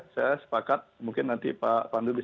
saya sepakat mungkin nanti pak pandu bisa